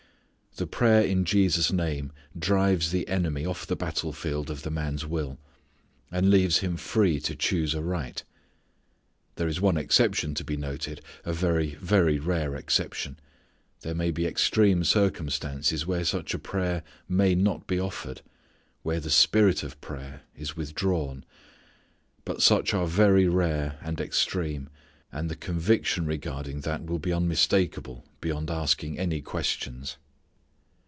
The prayer in Jesus' name drives the enemy off the battle field of the man's will, and leaves him free to choose aright. There is one exception to be noted, a very, very rare exception. There may be extreme instances where such a prayer may not be offered; where the spirit of prayer is withdrawn. But such are very rare and extreme, and the conviction regarding that will be unmistakable beyond asking any questions.